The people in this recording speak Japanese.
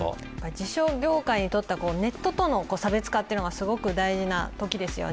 辞書業界にとってはネットとの差別化がすごく大事な時ですよね。